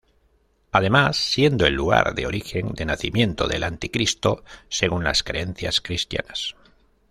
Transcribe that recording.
Además siendo el lugar de origen de nacimiento del Anticristo, según las creencias cristianas.